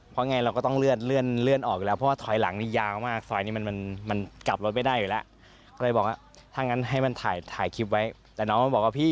เพราะไงเราก็ต้องเลื่อนเลื่อนออกอยู่แล้ว